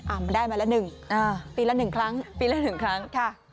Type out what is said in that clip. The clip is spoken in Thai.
อ้าวมาได้มาละ๑ปีละ๑ครั้ง